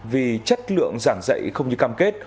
vì chất lượng giảng dạy không như cam kết